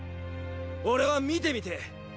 俺は見てみてぇ。